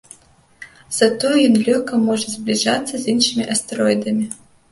Затое ён лёгка можа збліжацца з іншымі астэроідамі.